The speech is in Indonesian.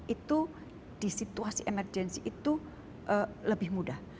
itu di situasi emergensi itu lebih mudah